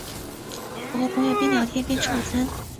我和朋友边聊天边吃午餐